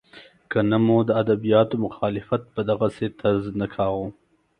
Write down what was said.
که نه مو د ادبیاتو مخالفت په دغسې طرز نه کاوه.